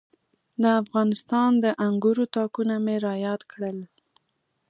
د افغانستان د انګورو تاکونه مې را یاد کړل.